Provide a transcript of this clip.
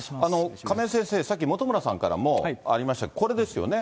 亀井先生、さっき本村さんからも、ありました、これですよね。